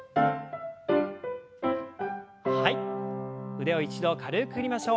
腕を一度軽く振りましょう。